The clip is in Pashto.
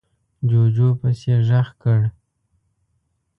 جُوجُو پسې غږ کړ: